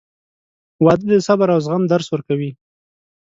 • واده د صبر او زغم درس ورکوي.